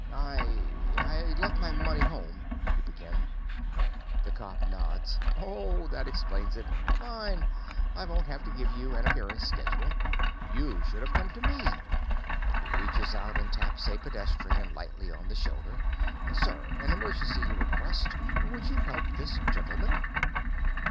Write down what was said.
"I I left my money home," you begin. The cop nods. "Oh, that explains it. Fine, I won't have to give you an appearance schedule. But you should have come to me." He reaches out and taps a pedestrian lightly on the shoulder. "Sir, an emergency request. Would you help this gentleman?"